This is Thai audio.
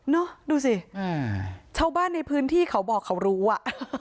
ดูสิชาวบ้านในพื้นที่เขาบอกเขารู้อ่ะ